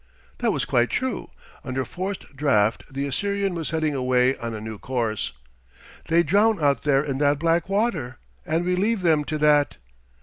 That was quite true: under forced draught the Assyrian was heading away on a new course. "They drown out there in that black water and we leave them to that!"